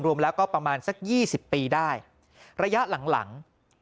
รวมแล้วก็ประมาณสักยี่สิบปีได้ระยะหลังหลัง